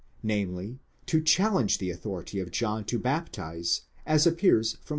namely, to challenge the authority of John _ to baptize, as appears from v.